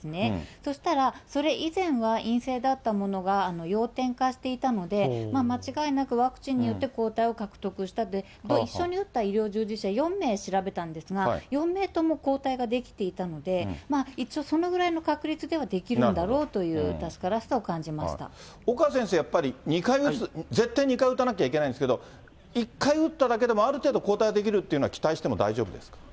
そしたらそれ以前は陰性だったものが、陽転化していたので、間違いなくワクチンによって抗体を獲得したと、一緒に打った医療従事者４名調べたんですが、４名とも抗体が出来ていたので、一応そのぐらいの確率ではできるんだろうという、私岡先生、やっぱり２回打つ、絶対２回打たなきゃいけないんですけど、１回打っただけでもある程度、抗体が出来るっていうのは期待しても大丈夫ですか？